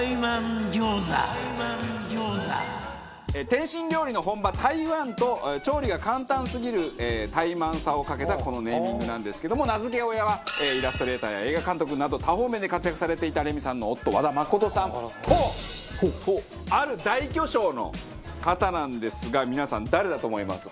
点心料理の本場台湾と調理が簡単すぎる怠慢さをかけたこのネーミングなんですけども名付け親はイラストレーターや映画監督など多方面で活躍されていたレミさんの夫和田誠さんとある大巨匠の方なんですが皆さん誰だと思います？